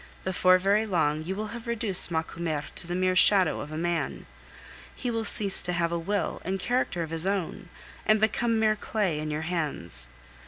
Before very long you will have reduced Macumer to the mere shadow of a man. He will cease to have a will and character of his own, and become mere clay in your hands.